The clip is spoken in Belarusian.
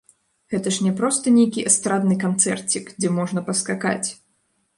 Гэта ж не проста нейкі эстрадны канцэрцік, дзе можна паскакаць!